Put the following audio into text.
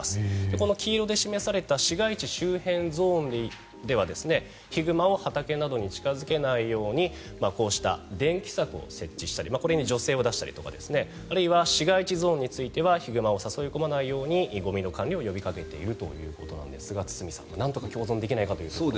この黄色で示された市街地周辺ゾーンではヒグマを畑などに近付けないように電気柵を設置したりこれに助成を出したりとかあるいは市街地ゾーンについてはヒグマを誘い込まないようにゴミの管理を呼びかけているということですが堤さんなんとか共存できないかと。